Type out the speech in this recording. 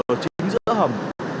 ở chính giữa hầm